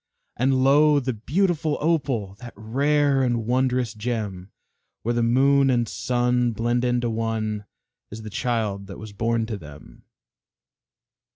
And lo! the beautiful Opal That rare and wondrous gem Where the moon and sun blend into one, Is the child that was born to them.